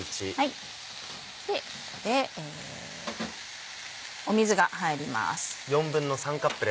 ここで水が入ります。